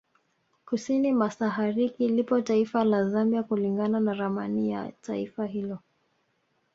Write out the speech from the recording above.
Kusini masahariki lipo taifa la Zambia kulingana na ramani ya Taifa hilo